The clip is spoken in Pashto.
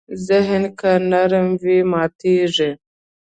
ذهن که نرم نه وي، ماتېږي.